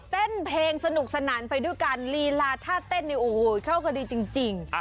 เต้นเพลงสนุกสนานไปด้วยกันลีลาท่าเต้นเนี่ยโอ้โหเข้ากันดีจริง